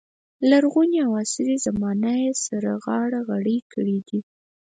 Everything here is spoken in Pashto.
لرغونې او عصري زمانه یې سره غاړه غړۍ کړې دي.